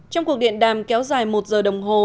trong cuộc điện đàm kéo dài một giờ đồng hồ